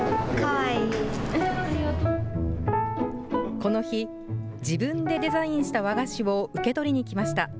この日、自分でデザインした和菓子を受け取りに来ました。